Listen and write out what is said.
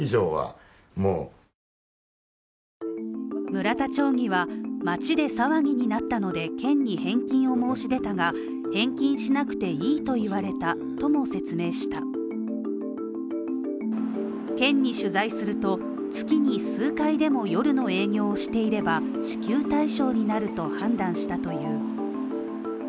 村田町議は町で騒ぎになったので県に返金を申し出たが、返金しなくていいと言われたとも説明した店に取材すると、月に数回でも夜の営業をしていれば支給対象になると判断したという。